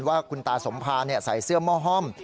ว่าคุณตาสมภาใส่เสื้อหม้อห้อม